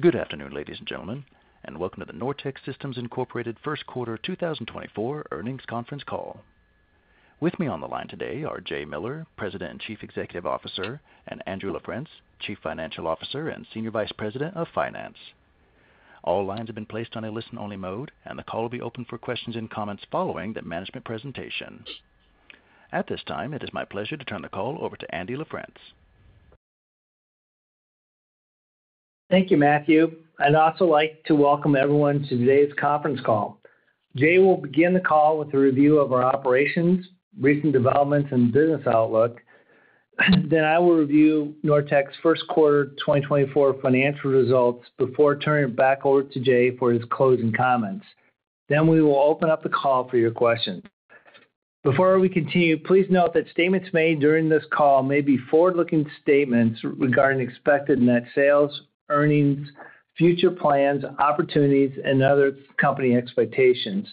Good afternoon, ladies and gentlemen, and welcome to the Nortech Systems Incorporated First Quarter 2024 earnings conference call. With me on the line today are Jay Miller, President and Chief Executive Officer, and Andy LaFrence, Chief Financial Officer and Senior Vice President of Finance. All lines have been placed on a listen-only mode, and the call will be open for questions and comments following the management presentation. At this time, it is my pleasure to turn the call over to Andy LaFrence. Thank you, Matthew. I'd also like to welcome everyone to today's conference call. Jay will begin the call with a review of our operations, recent developments, and business outlook. Then I will review Nortech's first quarter 2024 financial results before turning it back over to Jay for his closing comments. Then we will open up the call for your questions. Before we continue, please note that statements made during this call may be forward-looking statements regarding expected net sales, earnings, future plans, opportunities, and other company expectations.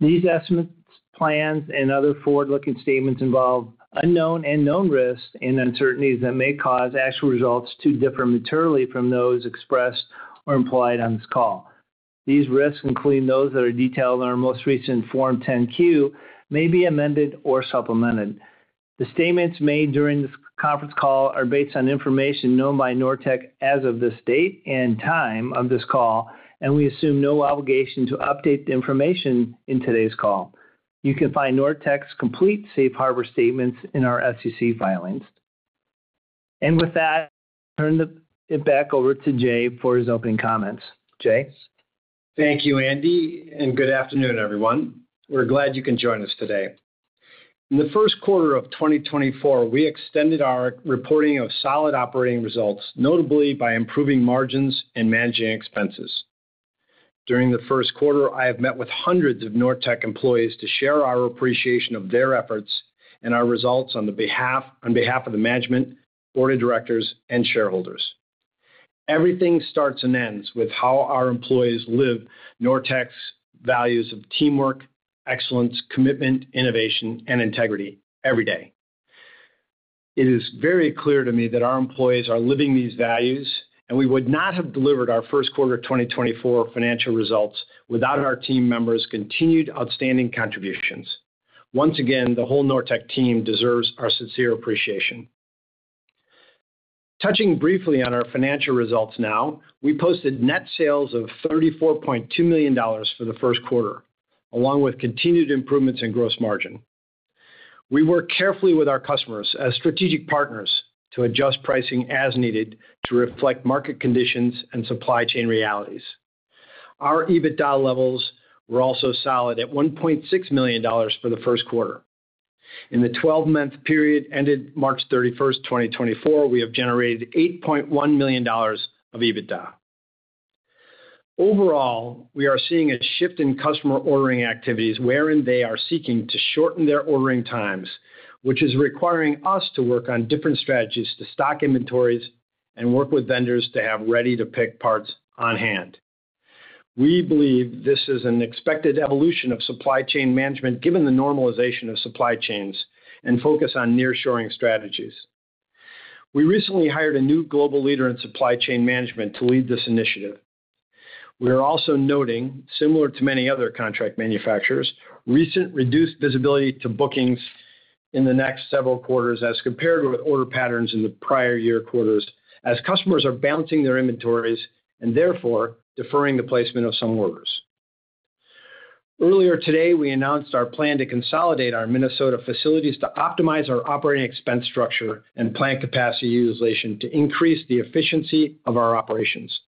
These estimates, plans, and other forward-looking statements involve unknown and known risks and uncertainties that may cause actual results to differ materially from those expressed or implied on this call. These risks, including those that are detailed in our most recent Form 10-Q, may be amended or supplemented. The statements made during this conference call are based on information known by Nortech as of this date and time of this call, and we assume no obligation to update the information in today's call. You can find Nortech's complete safe harbor statements in our SEC filings. With that, I turn it back over to Jay for his opening comments. Jay? Thank you, Andy, and good afternoon, everyone. We're glad you can join us today. In the first quarter of 2024, we extended our reporting of solid operating results, notably by improving margins and managing expenses. During the first quarter, I have met with hundreds of Nortech employees to share our appreciation of their efforts and our results on behalf of the management, board of directors, and shareholders. Everything starts and ends with how our employees live Nortech's values of teamwork, excellence, commitment, innovation, and integrity every day. It is very clear to me that our employees are living these values, and we would not have delivered our first quarter 2024 financial results without our team members' continued outstanding contributions. Once again, the whole Nortech team deserves our sincere appreciation. Touching briefly on our financial results now, we posted net sales of $34.2 million for the first quarter, along with continued improvements in gross margin. We work carefully with our customers as strategic partners to adjust pricing as needed to reflect market conditions and supply chain realities. Our EBITDA levels were also solid at $1.6 million for the first quarter. In the 12-month period ended March 31, 2024, we have generated $8.1 million of EBITDA. Overall, we are seeing a shift in customer ordering activities wherein they are seeking to shorten their ordering times, which is requiring us to work on different strategies to stock inventories and work with vendors to have ready-to-pick parts on hand. We believe this is an expected evolution of supply chain management, given the normalization of supply chains and focus on nearshoring strategies. We recently hired a new global leader in supply chain management to lead this initiative. We are also noting, similar to many other contract manufacturers, recent reduced visibility to bookings in the next several quarters as compared with order patterns in the prior year quarters, as customers are balancing their inventories and therefore deferring the placement of some orders. Earlier today, we announced our plan to consolidate our Minnesota facilities to optimize our operating expense structure and plant capacity utilization to increase the efficiency of our operations,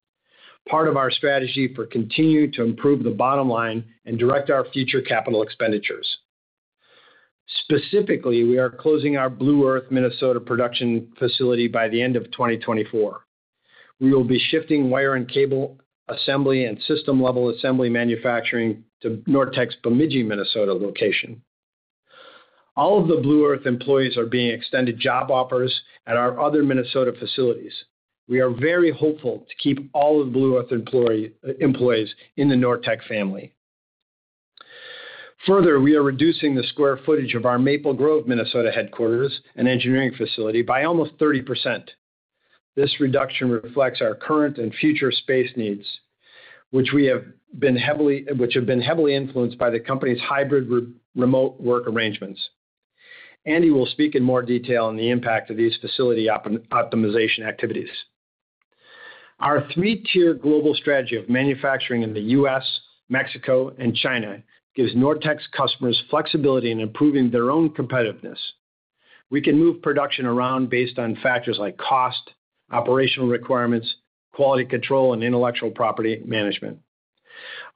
part of our strategy for continuing to improve the bottom line and direct our future capital expenditures. Specifically, we are closing our Blue Earth, Minnesota, production facility by the end of 2024. We will be shifting wire and cable assembly and system-level assembly manufacturing to Nortech's Bemidji, Minnesota, location. All of the Blue Earth employees are being extended job offers at our other Minnesota facilities. We are very hopeful to keep all of the Blue Earth employees in the Nortech family. Further, we are reducing the square footage of our Maple Grove, Minnesota, headquarters and engineering facility by almost 30%. This reduction reflects our current and future space needs, which have been heavily influenced by the company's hybrid remote work arrangements. Andy will speak in more detail on the impact of these facility optimization activities. Our three-tier global strategy of manufacturing in the U.S., Mexico, and China gives Nortech's customers flexibility in improving their own competitiveness. We can move production around based on factors like cost, operational requirements, quality control, and intellectual property management.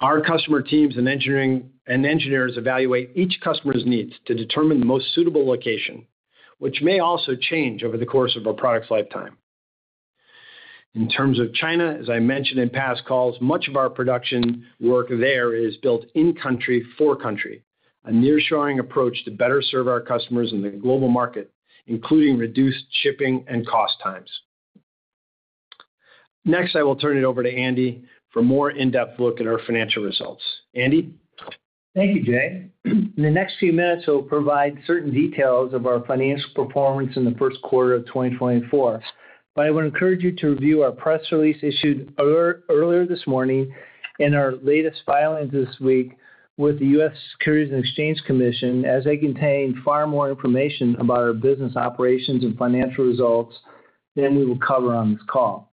Our customer teams and engineering and engineers evaluate each customer's needs to determine the most suitable location, which may also change over the course of a product's lifetime. In terms of China, as I mentioned in past calls, much of our production work there is built in country for country, a nearshoring approach to better serve our customers in the global market, including reduced shipping and cost times. Next, I will turn it over to Andy for a more in-depth look at our financial results. Andy? Thank you, Jay. In the next few minutes, I'll provide certain details of our financial performance in the first quarter of 2024. But I would encourage you to review our press release issued earlier this morning and our latest filings this week with the U.S. Securities and Exchange Commission, as they contain far more information about our business operations and financial results than we will cover on this call.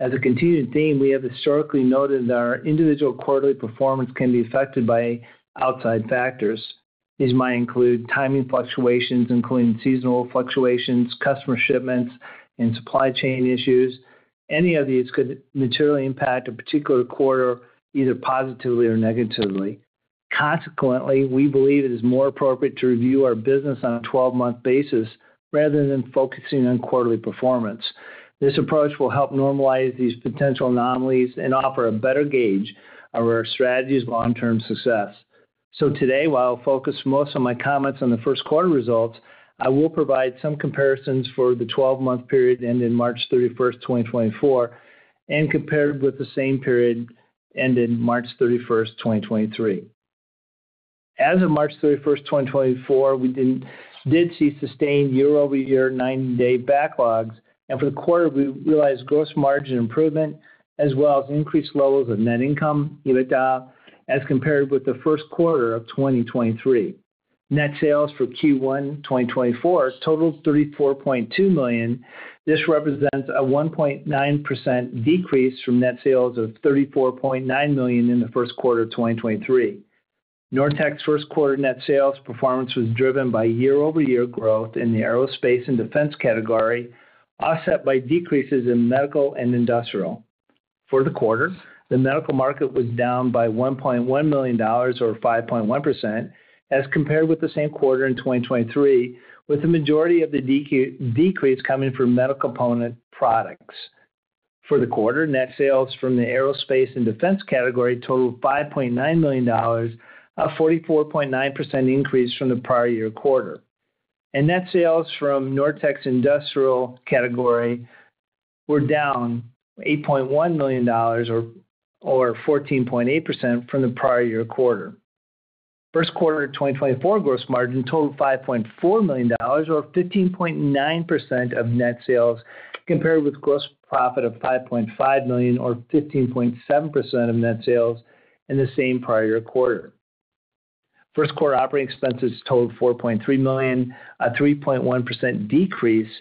As a continued theme, we have historically noted that our individual quarterly performance can be affected by outside factors. These might include timing fluctuations, including seasonal fluctuations, customer shipments, and supply chain issues. Any of these could materially impact a particular quarter, either positively or negatively. Consequently, we believe it is more appropriate to review our business on a 12-month basis rather than focusing on quarterly performance. This approach will help normalize these potential anomalies and offer a better gauge of our strategy's long-term success. So today, while I'll focus most of my comments on the first quarter results, I will provide some comparisons for the 12-month period ending March 31st, 2024, and compared with the same period ending March 31st, 2023. As of March 31st, 2024, we did see sustained year-over-year 90-day backlogs, and for the quarter, we realized gross margin improvement, as well as increased levels of net income, EBITDA, as compared with the first quarter of 2023. Net sales for Q1 2024 totaled $34.2 million. This represents a 1.9% decrease from net sales of $34.9 million in the first quarter of 2023. Nortech's first quarter net sales performance was driven by year-over-year growth in the aerospace and defense category, offset by decreases in medical and industrial. For the quarter, the medical market was down by $1.1 million, or 5.1%, as compared with the same quarter in 2023, with the majority of the decreases coming from medical component products. For the quarter, net sales from the aerospace and defense category totaled $5.9 million, a 44.9% increase from the prior year quarter. And net sales from Nortech's industrial category were down $8.1 million or 14.8% from the prior year quarter. First quarter of 2024 gross margin totaled $5.4 million, or 15.9% of net sales, compared with gross profit of $5.5 million or 15.7% of net sales in the same prior year quarter. First quarter operating expenses totaled $4.3 million, a 3.1% decrease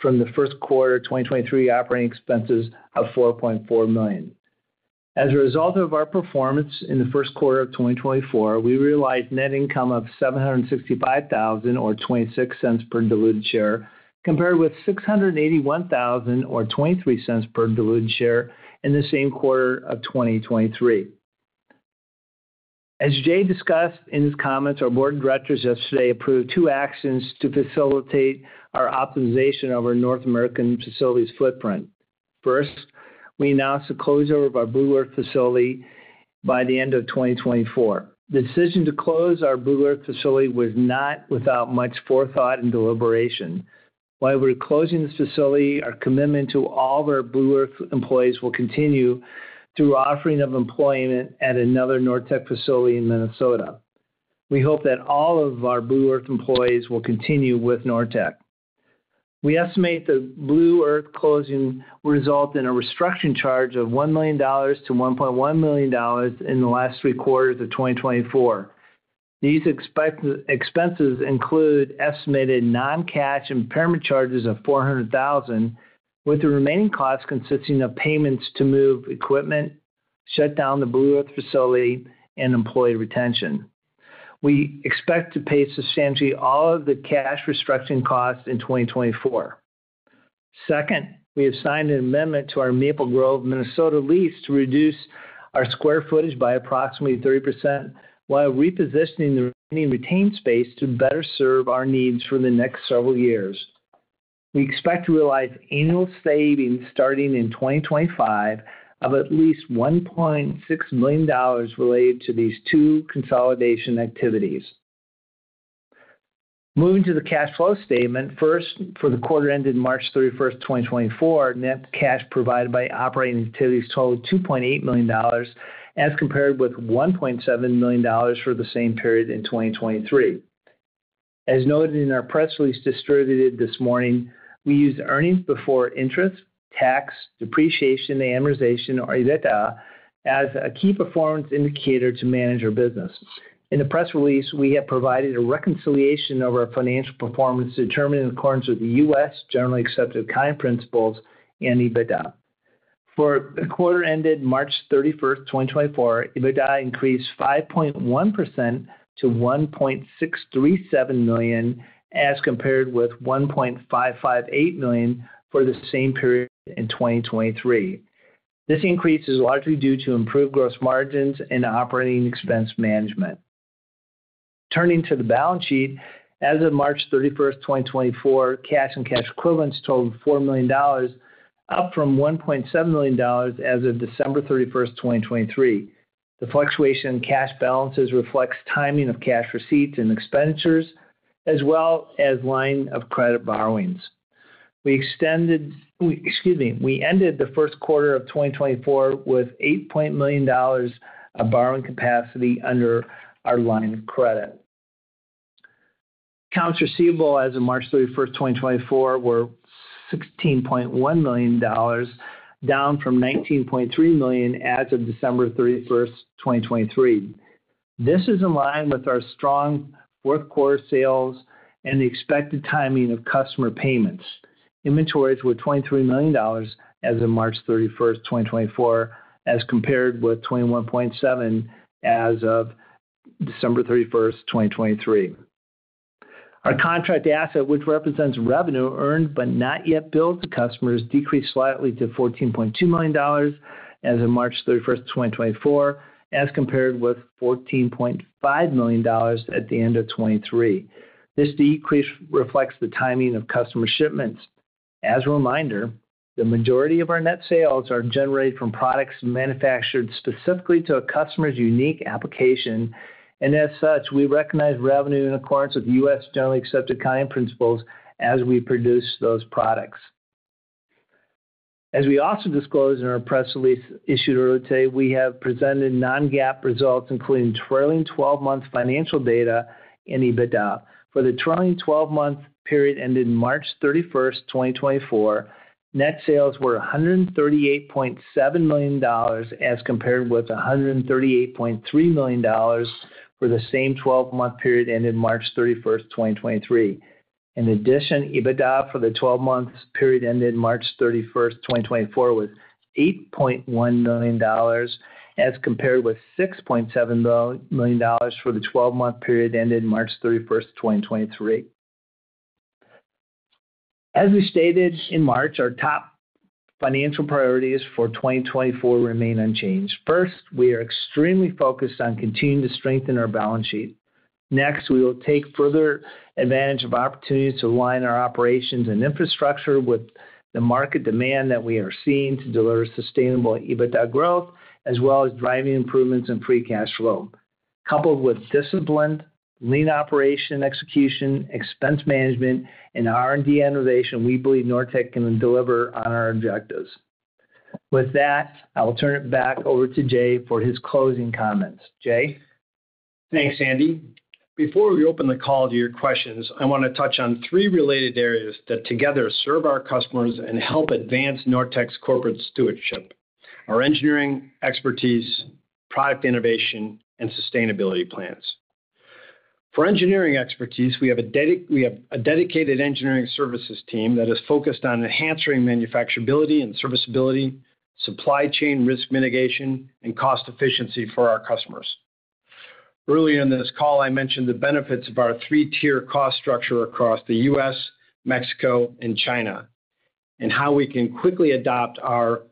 from the first quarter of 2023 operating expenses of $4.4 million. As a result of our performance in the first quarter of 2024, we realized net income of $765,000 or $0.26 per diluted share, compared with $681,000 or $0.23 per diluted share in the same quarter of 2023. As Jay discussed in his comments, our board of directors yesterday approved two actions to facilitate our optimization of our North American facilities footprint. First, we announced the closure of our Blue Earth facility by the end of 2024. The decision to close our Blue Earth facility was not without much forethought and deliberation. While we're closing this facility, our commitment to all of our Blue Earth employees will continue through offering of employment at another Nortech facility in Minnesota. We hope that all of our Blue Earth employees will continue with Nortech. We estimate the Blue Earth closing will result in a restructuring charge of $1 million-$1.1 million in the last three quarters of 2024. These expenses include estimated non-cash impairment charges of $400,000, with the remaining costs consisting of payments to move equipment, shut down the Blue Earth facility, and employee retention. We expect to pay substantially all of the cash restructuring costs in 2024. Second, we have signed an amendment to our Maple Grove, Minnesota, lease to reduce our square footage by approximately 30%, while repositioning the remaining retained space to better serve our needs for the next several years. We expect to realize annual savings starting in 2025, of at least $1.6 million related to these two consolidation activities. Moving to the cash flow statement, first, for the quarter ended March 31, 2024, net cash provided by operating activities totaled $2.8 million, as compared with $1.7 million for the same period in 2023. As noted in our press release distributed this morning, we used earnings before interest, tax, depreciation, and amortization, or EBITDA, as a key performance indicator to manage our business. In the press release, we have provided a reconciliation of our financial performance determined in accordance with the U.S. Generally Accepted Accounting Principles and EBITDA. For the quarter ended March 31st, 2024, EBITDA increased 5.1% to $1.637 million, as compared with $1.558 million for the same period in 2023. This increase is largely due to improved gross margins and operating expense management. Turning to the balance sheet, as of March 31, 2024, cash and cash equivalents totaled $4 million, up from $1.7 million as of December 31st, 2023. The fluctuation in cash balances reflects timing of cash receipts and expenditures, as well as line of credit borrowings. Excuse me, we ended the first quarter of 2024 with $8 million of borrowing capacity under our line of credit. Accounts receivable as of March 31st, 2024, were $16.1 million, down from $19.3 million as of December 31st, 2023. This is in line with our strong fourth quarter sales and the expected timing of customer payments. Inventories were $23 million as of March 31st, 2024, as compared with 21.7 as of December 31st, 2023. Our contract asset, which represents revenue earned but not yet billed to customers, decreased slightly to $14.2 million as of March 31st, 2024, as compared with $14.5 million at the end of 2023. This decrease reflects the timing of customer shipments. As a reminder, the majority of our net sales are generated from products manufactured specifically to a customer's unique application, and as such, we recognize revenue in accordance with U.S. Generally Accepted Accounting Principles as we produce those products. As we also disclosed in our press release issued earlier today, we have presented non-GAAP results, including trailing 12-month financial data and EBITDA. For the trailing 12-month period ended March 31st, 2024, net sales were $138.7 million, as compared with $138.3 million for the same 12-month period ended March 31st, 2023. In addition, EBITDA for the 12-month period ended March 31st, 2024, was $8.1 million, as compared with $6.7 million for the 12-month period ended March 31st, 2023. As we stated in March, our top financial priorities for 2024 remain unchanged. First, we are extremely focused on continuing to strengthen our balance sheet. Next, we will take further advantage of opportunities to align our operations and infrastructure with the market demand that we are seeing to deliver sustainable EBITDA growth, as well as driving improvements in free cash flow. Coupled with disciplined lean operation execution, expense management, and R&D innovation, we believe Nortech can deliver on our objectives. With that, I will turn it back over to Jay for his closing comments. Jay? Thanks, Andy. Before we open the call to your questions, I want to touch on three related areas that together serve our customers and help advance Nortech's corporate stewardship: our engineering expertise, product innovation, and sustainability plans. For engineering expertise, we have a dedicated engineering services team that is focused on enhancing manufacturability and serviceability, supply chain risk mitigation, and cost efficiency for our customers. Earlier in this call, I mentioned the benefits of our three-tier cost structure across the U.S., Mexico, and China, and how we can quickly adopt our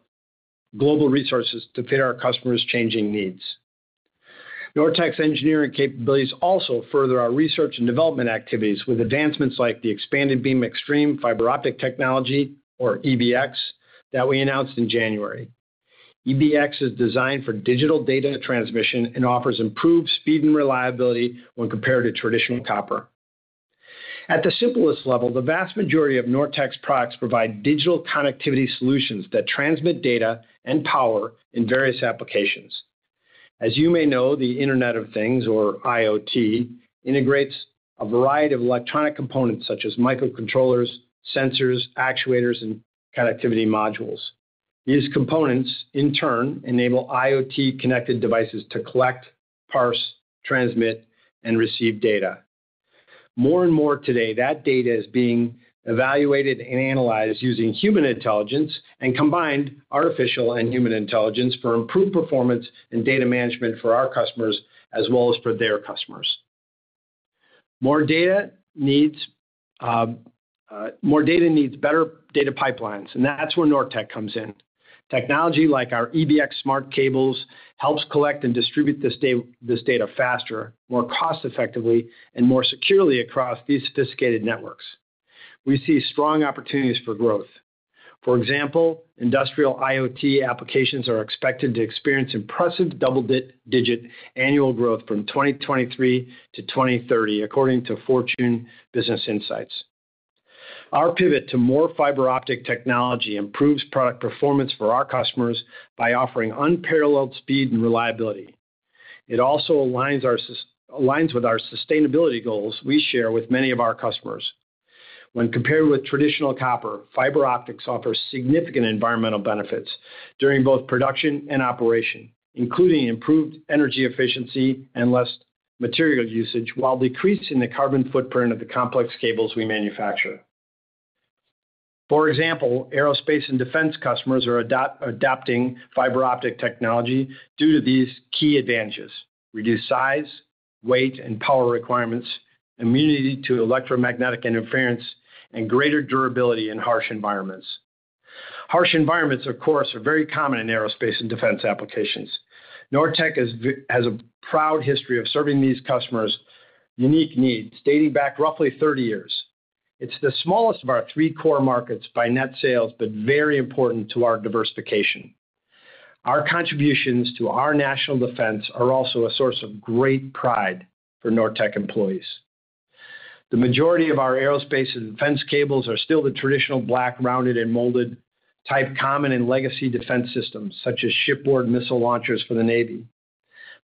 global resources to fit our customers' changing needs. Nortech's engineering capabilities also further our research and development activities, with advancements like the Expanded Beam Xtreme fiber optic technology, or EBX, that we announced in January. EBX is designed for digital data transmission and offers improved speed and reliability when compared to traditional copper. At the simplest level, the vast majority of Nortech's products provide digital connectivity solutions that transmit data and power in various applications. As you may know, the Internet of Things, or IoT, integrates a variety of electronic components, such as microcontrollers, sensors, actuators, and connectivity modules. These components, in turn, enable IoT-connected devices to collect, parse, transmit, and receive data. More and more today, that data is being evaluated and analyzed using human intelligence and combined artificial and human intelligence for improved performance and data management for our customers, as well as for their customers. More data needs better data pipelines, and that's where Nortech comes in. Technology like our EBX smart cables helps collect and distribute this data faster, more cost effectively, and more securely across these sophisticated networks. We see strong opportunities for growth. For example, industrial IoT applications are expected to experience impressive double-digit annual growth from 2023 to 2030, according to Fortune Business Insights. Our pivot to more fiber optic technology improves product performance for our customers by offering unparalleled speed and reliability. It also aligns with our sustainability goals we share with many of our customers. When compared with traditional copper, fiber optics offers significant environmental benefits during both production and operation, including improved energy efficiency and less material usage, while decreasing the carbon footprint of the complex cables we manufacture. For example, aerospace and defense customers are adopting fiber optic technology due to these key advantages: reduced size, weight, and power requirements, immunity to electromagnetic interference, and greater durability in harsh environments. Harsh environments, of course, are very common in aerospace and defense applications. Nortech has a proud history of serving these customers' unique needs, dating back roughly 30 years. It's the smallest of our 3 core markets by net sales, but very important to our diversification. Our contributions to our national defense are also a source of great pride for Nortech employees. The majority of our aerospace and defense cables are still the traditional black, rounded, and molded type, common in legacy defense systems, such as shipboard missile launchers for the Navy.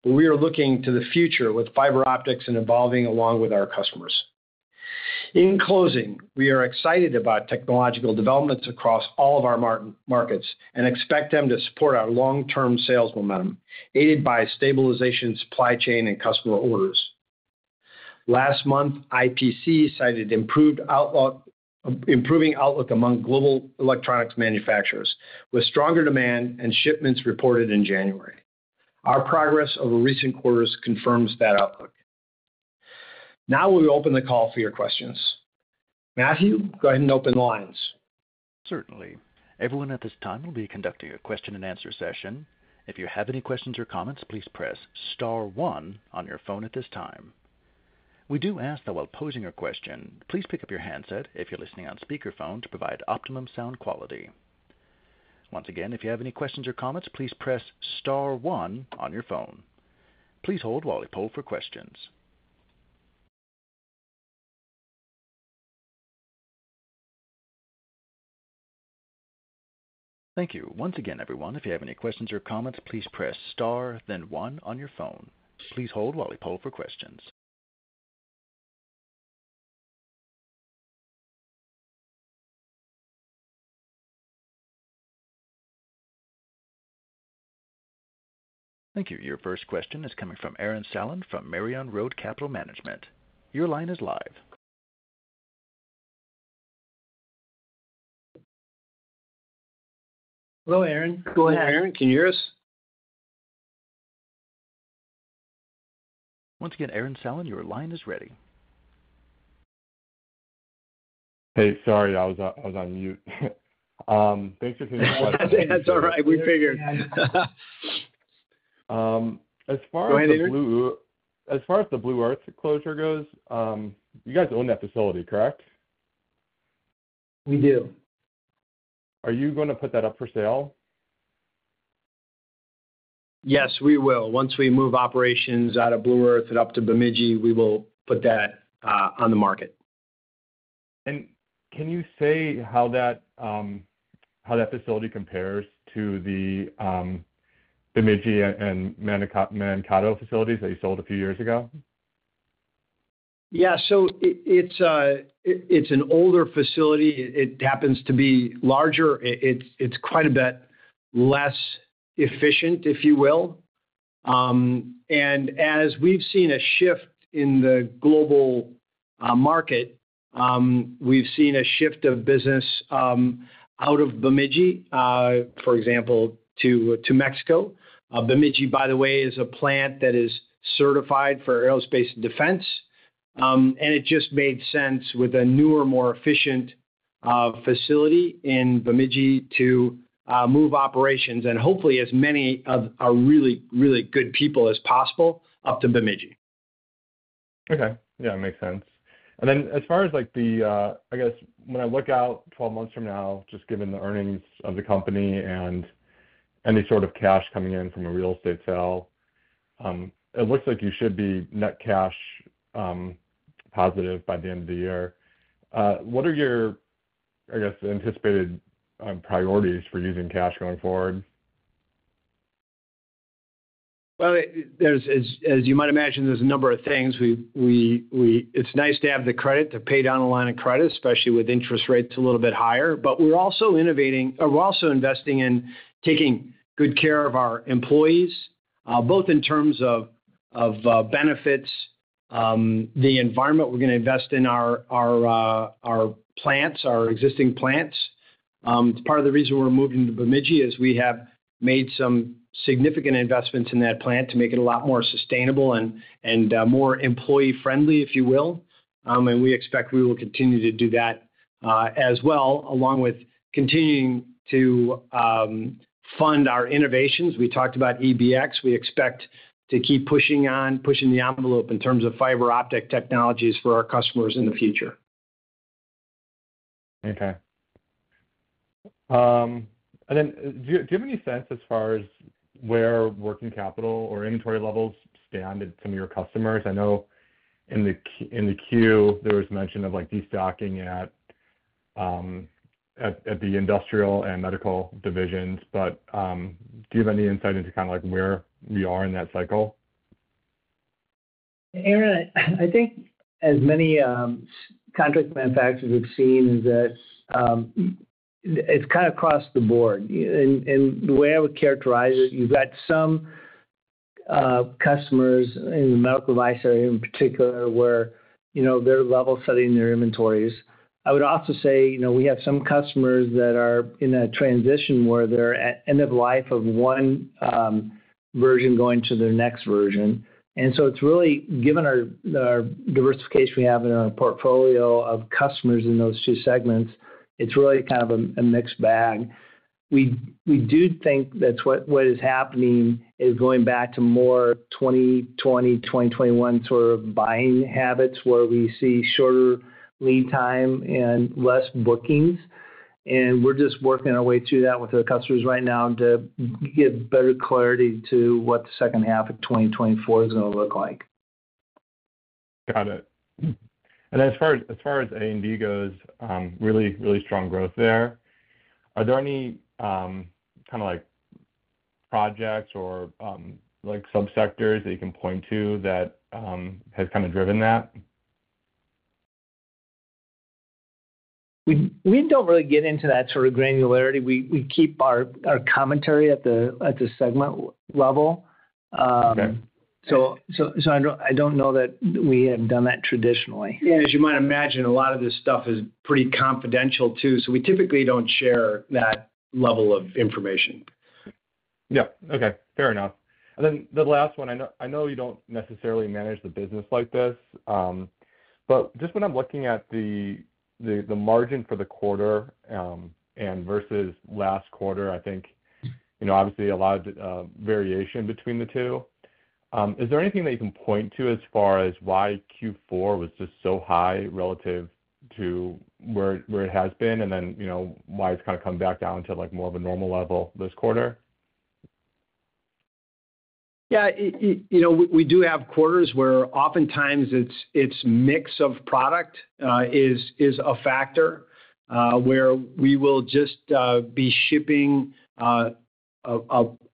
But we are looking to the future with fiber optics and evolving along with our customers. In closing, we are excited about technological developments across all of our markets, and expect them to support our long-term sales momentum, aided by stabilization, supply chain, and customer orders. Last month, IPC cited improving outlook among global electronics manufacturers, with stronger demand and shipments reported in January. Our progress over recent quarters confirms that outlook. Now, we open the call for your questions. Matthew, go ahead and open the lines. Certainly. Everyone at this time, we'll be conducting a question-and-answer session. If you have any questions or comments, please press star one on your phone at this time. We do ask that while posing your question, please pick up your handset if you're listening on speakerphone, to provide optimum sound quality. Once again, if you have any questions or comments, please press star one on your phone. Please hold while we poll for questions. Thank you. Once again, everyone, if you have any questions or comments, please press star, then one on your phone. Please hold while we poll for questions. Thank you. Your first question is coming from Aaron Sallen, from Merion Road Capital Management. Your line is live. Hello, Aaron. Go ahead. Hello, Aaron, can you hear us? Once again, Aaron Sallen, your line is ready. Hey, sorry, I was on mute. Thanks for- That's all right. We figured. As far as the Blue- Go ahead, Aaron. As far as the Blue Earth closure goes, you guys own that facility, correct? We do. Are you gonna put that up for sale? Yes, we will. Once we move operations out of Blue Earth and up to Bemidji, we will put that on the market. Can you say how that facility compares to the Bemidji and Mankato facilities that you sold a few years ago? Yeah. So it's an older facility. It happens to be larger. It's quite a bit less efficient, if you will. And as we've seen a shift in the global market, we've seen a shift of business out of Bemidji, for example, to Mexico. Bemidji, by the way, is a plant that is certified for aerospace and defense. And it just made sense with a newer, more efficient facility in Bemidji to move operations, and hopefully, as many of our really, really good people as possible, up to Bemidji. Okay. Yeah, it makes sense. And then, as far as, like, the, I guess, when I look out 12 months from now, just given the earnings of the company and any sort of cash coming in from a real estate sale, it looks like you should be net cash positive by the end of the year. What are your, I guess, anticipated priorities for using cash going forward? Well, there's, as you might imagine, there's a number of things. We—it's nice to have the credit to pay down a line of credit, especially with interest rates a little bit higher, but we're also innovating. We're also investing in taking good care of our employees, both in terms of benefits, the environment. We're gonna invest in our plants, our existing plants. It's part of the reason we're moving to Bemidji, is we have made some significant investments in that plant to make it a lot more sustainable and more employee-friendly, if you will. And we expect we will continue to do that, as well, along with continuing to fund our innovations. We talked about EBX. We expect to keep pushing on, pushing the envelope in terms of fiber optic technologies for our customers in the future. Okay. And then, do you have any sense as far as where working capital or inventory levels stand at some of your customers? I know in the queue, there was mention of, like, destocking at the industrial and medical divisions, but do you have any insight into kinda, like, where we are in that cycle? Aaron, I think as many contract manufacturers we've seen is that it's kind of across the board. And the way I would characterize it, you've got some customers in the medical device area in particular, where, you know, they're level-setting their inventories. I would also say, you know, we have some customers that are in a transition, where they're at end of life of one version going to their next version. And so it's really... Given our diversification we have in our portfolio of customers in those two segments, it's really kind of a mixed bag. We do think that's what is happening is going back to more 2020, 2021 sort of buying habits, where we see shorter lead time and less bookings, and we're just working our way through that with our customers right now to get better clarity to what the second half of 2024 is gonna look like. Got it. And as far as A&D goes, really, really strong growth there. Are there any kind of like projects or like subsectors that you can point to that has kind of driven that? We don't really get into that sort of granularity. We keep our commentary at the segment level. Okay. I don't know that we have done that traditionally. Yeah, as you might imagine, a lot of this stuff is pretty confidential, too, so we typically don't share that level of information. Yeah. Okay. Fair enough. And then the last one, I know, I know you don't necessarily manage the business like this, but just when I'm looking at the margin for the quarter, and versus last quarter, I think, you know, obviously a lot of variation between the two. Is there anything that you can point to as far as why Q4 was just so high relative to where it has been? And then, you know, why it's kind of come back down to, like, more of a normal level this quarter? Yeah. You know, we do have quarters where oftentimes it's mix of product is a factor, where we will just be shipping a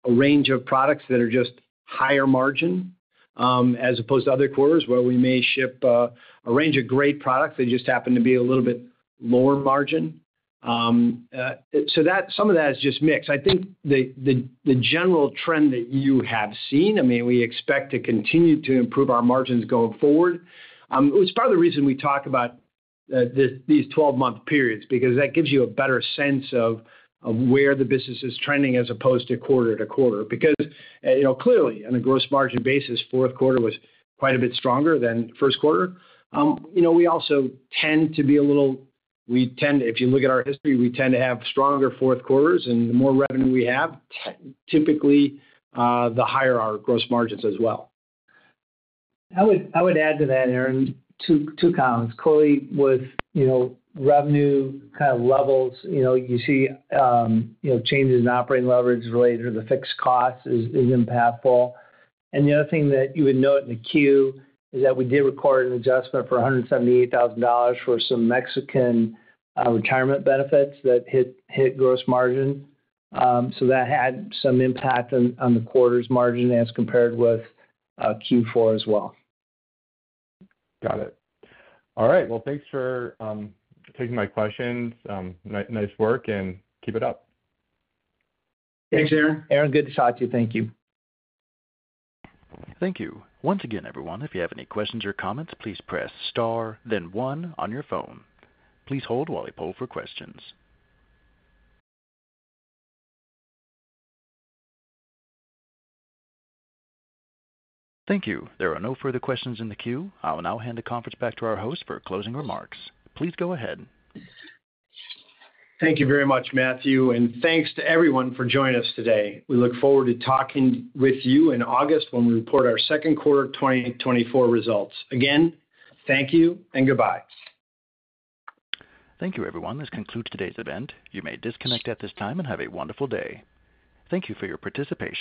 range of products that are just higher margin, as opposed to other quarters where we may ship a range of great products that just happen to be a little bit lower margin. So that, some of that is just mix. I think the general trend that you have seen, I mean, we expect to continue to improve our margins going forward. It's part of the reason we talk about these 12-month periods, because that gives you a better sense of where the business is trending as opposed to quarter to quarter. Because, you know, clearly, on a gross margin basis, fourth quarter was quite a bit stronger than first quarter. You know, we also tend to be a little... We tend, if you look at our history, we tend to have stronger fourth quarters, and the more revenue we have, typically, the higher our gross margins as well. I would, I would add to that, Aaron, two, two comments. Clearly, with, you know, revenue kind of levels, you know, you see, you know, changes in operating leverage related to the fixed cost is, is impactful. And the other thing that you would note in the Q is that we did record an adjustment for $178,000 for some Mexican retirement benefits that hit, hit gross margin. So that had some impact on the quarter's margin as compared with Q4 as well. Got it. All right. Well, thanks for taking my questions. Nice work, and keep it up. Thanks, Aaron. Aaron, good to talk to you. Thank you. Thank you. Once again, everyone, if you have any questions or comments, please press star, then one on your phone. Please hold while we poll for questions. Thank you. There are no further questions in the queue. I will now hand the conference back to our host for closing remarks. Please go ahead. Thank you very much, Matthew, and thanks to everyone for joining us today. We look forward to talking with you in August, when we report our second quarter of 2024 results. Again, thank you and goodbye. Thank you, everyone. This concludes today's event. You may disconnect at this time and have a wonderful day. Thank you for your participation.